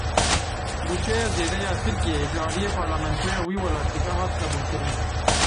Budceya zêde ya Tirkiyeyê ji aliyê parlamentoya wî welatî ve hat qebûlkirin.